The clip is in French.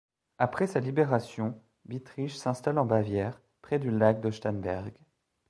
Après sa libération, Bittrich s'installe en Bavière, près du lac de Starnberg.